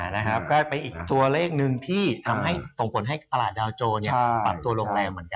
อ๋อนะครับก็เป็นอีกตัวเลขนึงที่ส่งผลให้ตลาดดาวโจรปรับตัวโรงแรมเหมือนกัน